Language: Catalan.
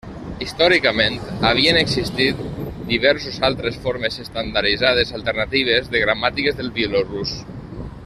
Històricament, havien existit diversos altres formes estandarditzades alternatives de gramàtiques del bielorús.